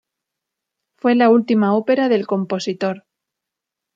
Fue la última ópera del compositor.